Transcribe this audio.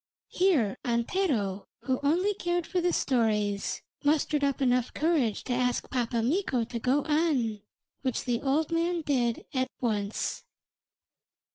Here Antero, who only cared for the stories, mustered up enough courage to ask Pappa Mikko to go on, which the old man did at once.